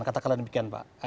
katakanlah demikian pak